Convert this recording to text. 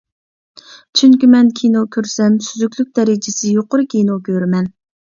چۈنكى مەن كىنو كۆرسەم سۈزۈكلۈك دەرىجىسى يۇقىرى كىنو كۆرىمەن.